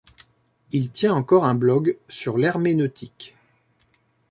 Il tient encore un blog sur l'herméneutique.